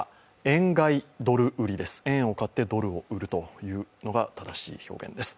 円を買ってドルを売るというのが正しい表現です。